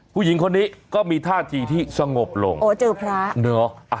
ผู้หญิงคนนี้ก็มีท่าทีที่สงบลงโอ้เจอพระเนอะ